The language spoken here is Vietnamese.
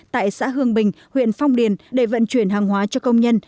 tại xã hương bình huyện phong điền để vận chuyển hàng hóa cho công nhân